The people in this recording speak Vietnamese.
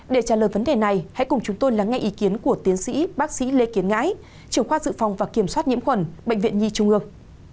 để trả lời vấn đề này hãy cùng chúng tôi lắng nghe ý kiến của tiến sĩ bác sĩ lê tiến ngãi trưởng khoa dự phòng và kiểm soát nhiễm khuẩn bệnh viện nhi trung ương